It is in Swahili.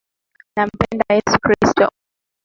Nampenda yesu Kristo